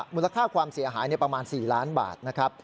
มูลค่าความเสียหายประมาณ๔ล้านบาทนะครับ